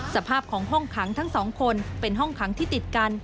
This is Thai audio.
สภาพของห้องขังทั้งสองคนเป็นห้องขังที่ติดกัน